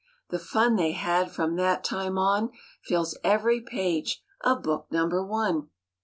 The fun they had from that time on Fills every page of Book Number One.